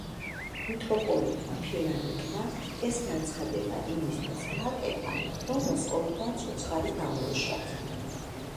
მიტროპოლიტმა ფილარეტმა ეს განცხადება იმისათვის გააკეთა, რომ მოსკოვიდან ცოცხალი გამოეშვათ.